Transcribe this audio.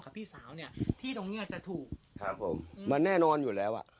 พี่สาวเนี้ยที่ตรงเนี้ยจะถูกครับผมมันแน่นอนอยู่แล้วอ่ะ